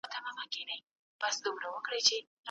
منتقدين وايي چي ځيني ليکوالان له خپلو خلګو څخه پردي سوي دي.